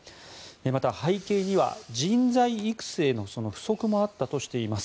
また、背景には人材育成の不足もあったとしています。